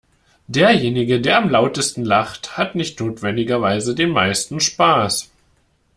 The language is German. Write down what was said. Derjenige, der am lautesten lacht, hat nicht notwendigerweise den meisten Spaß.